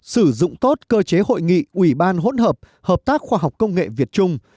sử dụng tốt cơ chế hội nghị ủy ban hỗn hợp hợp tác khoa học công nghệ việt trung